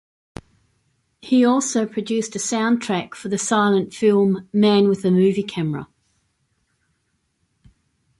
He also produced a soundtrack for the silent film "Man with a Movie Camera".